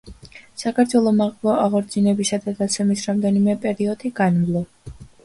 საქართველომ აღორძინებისა და დაცემის რამდენიმე პერიოდი განვლო